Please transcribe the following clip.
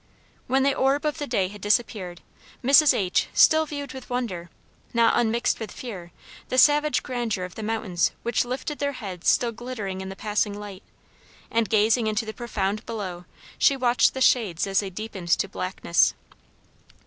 When the orb of day had disappeared, Mrs. H. still viewed with wonder, not unmixed with fear, the savage grandeur of the mountains which lifted their heads still glittering in the passing light; and gazing into the profound below she watched the shades as they deepened to blackness.